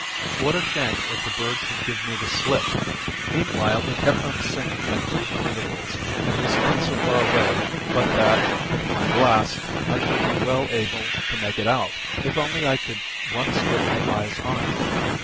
What a shame if the bird should give me the slip! Meanwhile, it kept on singing at brief intervals, and was not so far away but that, with my glass, I should be well able to make it out, if only I could once get my eyes on it.